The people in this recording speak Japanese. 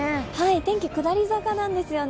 天気、下り坂なんですよね。